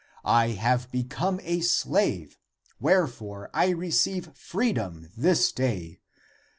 I have become a slave, wherefore I receive freedom this day.